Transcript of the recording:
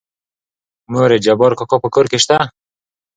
مورې جبار کاکا په کور کې شته؟